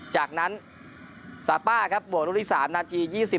จากนั้นซาป้าครับบวกลูกที่๓นาที๒๐